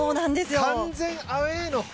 完全アウェーの会場。